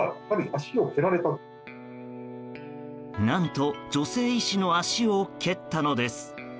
何と、女性医師の足を蹴ったのです。